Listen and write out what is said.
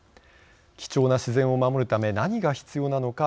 貴重な自然を守るため何が必要なのか。